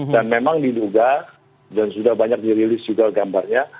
dan memang diduga dan sudah banyak dirilis juga gambarnya